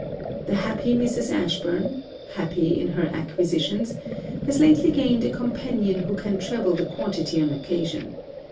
The happy Mrs. Ashburn happy in her acquisitions has lately gained a companion who can treble the quantity on occasion.